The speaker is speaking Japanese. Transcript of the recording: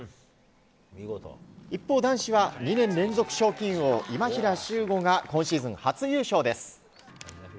一方、男子は２年連続賞金王、今平周吾が今シーズン初優勝です。